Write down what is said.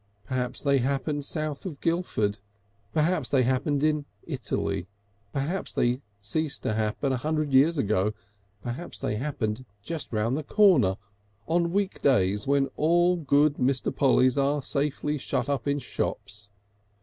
Perhaps they happened south of Guilford. Perhaps they happened in Italy. Perhaps they ceased to happen a hundred years ago. Perhaps they happened just round the corner on weekdays when all good Mr. Pollys are safely shut up in shops.